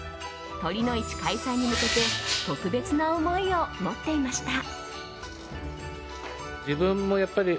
酉の市開催に向けて特別な思いを持っていました。